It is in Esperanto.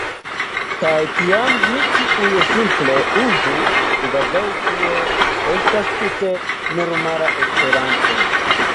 Kaj tiam ni ĉiuj simple uzu kvazaŭ tio estas tute normala Esperanto.